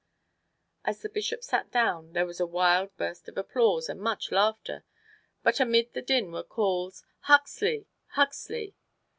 As the Bishop sat down, there was a wild burst of applause and much laughter, but amid the din were calls, "Huxley! Huxley!"